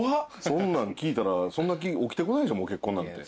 そんなん聞いたらそんな気起きてこないでしょ結婚なんて。